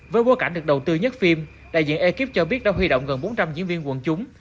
với bối cảnh được đầu tư nhất phim đại diện ekip cho biết đã huy động gần bốn trăm linh diễn viên quần chúng